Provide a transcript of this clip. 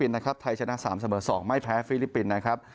นะครับไทยชนะ๓เสมอ๒ไม่แพ้ฟิลิปปินส์นะครับ